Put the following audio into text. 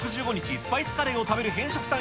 スパイスカレーを食べる偏食さん